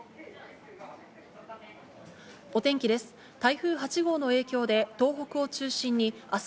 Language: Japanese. お天気です。